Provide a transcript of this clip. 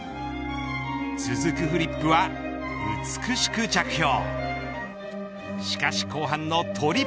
続くフリップは美しく着氷。